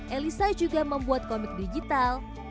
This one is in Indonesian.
elisa juga membuat komik digital